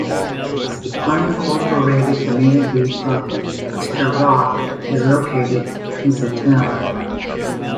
The unincorporated community of Easter Rock is located in the town.